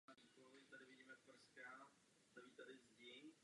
Ta tak dělí její území tak na dvě části.